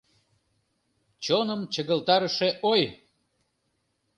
Чоным чыгылтарыше ой!